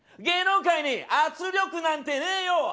芸能界に圧力なんてねえよ。